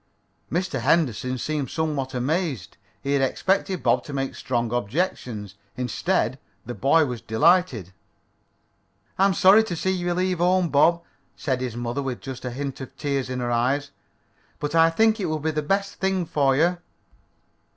Mr. Henderson seemed somewhat amazed. He had expected Bob to make strong objections. Instead the boy was delighted. "I am sorry to see you leave home, Bob," said his mother, with just the hint of tears in her eyes, "but I think it will be the best thing for you."